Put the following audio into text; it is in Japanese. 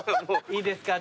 いいですか？